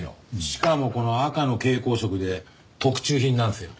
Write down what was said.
しかもこの赤の蛍光色で特注品なんですよ。